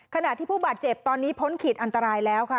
ขณะที่ผู้บาดเจ็บตอนนี้พ้นขีดอันตรายแล้วค่ะ